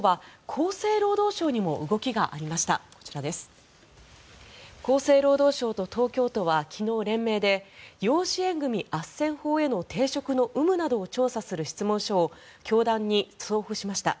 厚生労働省と東京都は昨日、連名で養子縁組あっせん法への抵触の有無などを調査する質問書を教団に送付しました。